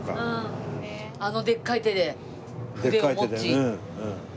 あのでっかい手で筆を持ち。